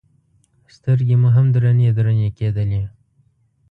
سترګې مو هم درنې درنې کېدلې.